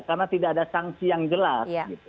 karena tidak ada sanksi yang jelas